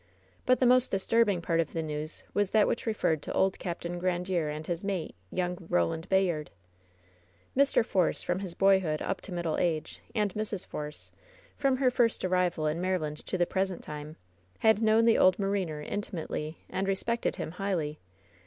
But the most disturbing part of the news was that which referred to old Capt. Grandiere and his mate, young Eoland Bayard. Mr. Force, from his boyhood up to middle age, and Mrs. Force, from her first arrival in Maryland to the present time, had known the old mariner intimately and respected him highly.